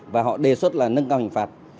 và họ đề xuất là nâng cao hình phạt